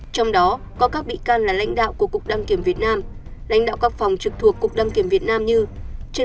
trong đó có các bị can là lãnh đạo của cục đăng kiểm việt nam lãnh đạo các phòng trực thuộc cục đăng kiểm việt nam như trên